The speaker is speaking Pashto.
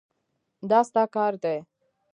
دا ستا کار دی.